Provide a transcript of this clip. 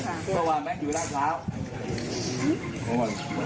เมื่อวานแบงค์อยู่ไหนเมื่อวาน